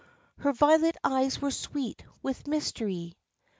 Her violet eyes were sweet with mystery.